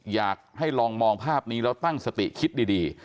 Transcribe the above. อยากให้ลองมองภาพนี้แล้วตั้งสติคิดดี